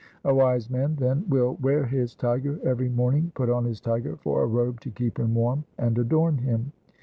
A wise man then will wear his tiger; every morning put on his tiger for a robe to keep him warm and adorn him.